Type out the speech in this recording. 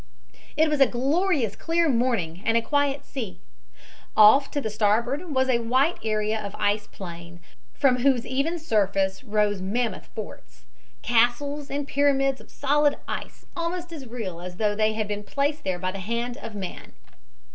It was a glorious, clear morning and a quiet sea. Off to the starboard was a white area of ice plain, from whose even surface rose mammoth forts, castles and pyramids of solid ice almost as real as though they had been placed there by the hand of man.